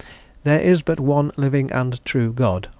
"There is but one living and true God...